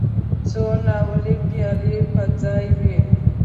څو ناولې پيالې په ځای وې.